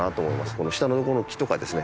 この下の横の木とかですね